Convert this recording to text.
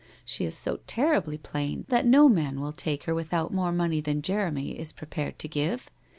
She is so ter ribly plain that no man will take her without more money than Jeremy is prepared to give.